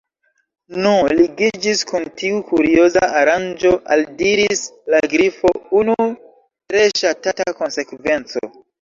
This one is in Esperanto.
"Nu, ligiĝis kun tiu 'kurioza' aranĝo," aldiris la Grifo, "unu tre ŝatata konsekvenco. »